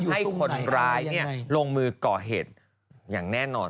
ให้คนร้ายลงมือก่อเหตุอย่างแน่นอน